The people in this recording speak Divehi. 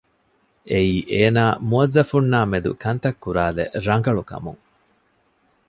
އެއީ އޭނާ މުއައްޒަފުންނާ މެދު ކަންތައް ކުރާލެއް ރަނގަޅު ކަމުން